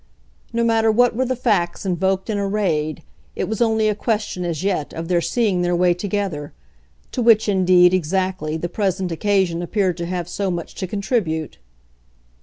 No matter what were the facts invoked and arrayed, it was only a question, as yet, of their seeing their way together: to which indeed, exactly, the present occasion appeared to have so much to contribute.